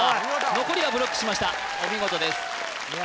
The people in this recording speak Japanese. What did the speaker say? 残りはブロックしましたお見事ですいや